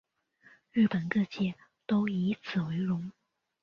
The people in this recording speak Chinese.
日本各界都以此为荣。